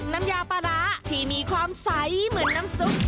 น้ำยาปลาร้าที่มีความใสเหมือนน้ำซุป